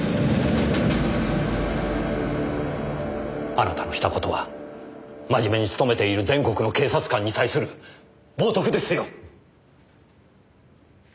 あなたのした事は真面目につとめている全国の警察官に対する冒涜ですよ！